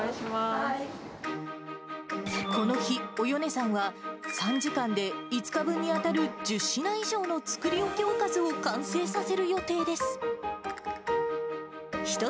この日、およねさんは、３時間で５日分に当たる１０品以上の作り置きおかずを完成させる予定です。